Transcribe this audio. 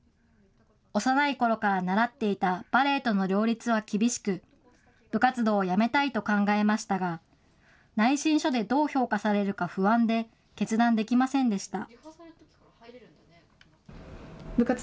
幼いころから習っていたバレエとの両立は厳しく、部活動をやめたいと考えましたが、内申書でどう評価されるか不安で、決断できませんでした。